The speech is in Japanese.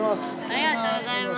ありがとうございます。